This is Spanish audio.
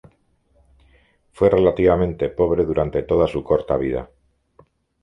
Fue relativamente pobre durante toda su corta vida.